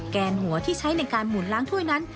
แกนหัวที่ใช้ในการหมุนล้างถ้วยนั้น